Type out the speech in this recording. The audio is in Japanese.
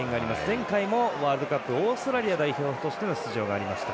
前回もワールドカップオーストラリア代表としての出場がありました。